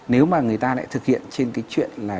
nếu mà người ta lại thực hiện trên cái chuyện là